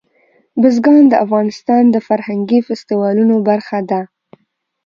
بزګان د افغانستان د فرهنګي فستیوالونو برخه ده.